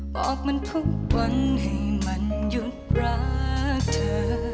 บอกมันทุกวันให้มันหยุดรักเธอ